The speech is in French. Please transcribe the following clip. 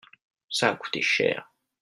ça a coûté cher.